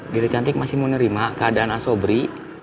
dede cantik masih mau nerima keadaan ah sobri